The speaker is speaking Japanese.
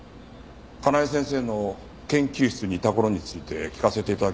香奈枝先生の研究室にいた頃について聞かせて頂け。